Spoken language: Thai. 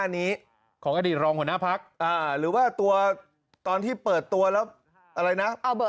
แนน